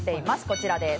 こちらです。